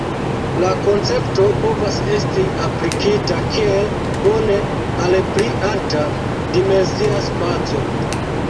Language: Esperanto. La koncepto povas esti aplikita kiel bone al pli alta-dimensia spaco.